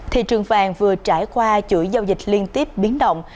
thị trường vàng vừa trải qua chuỗi giao dịch liên tiếp biến động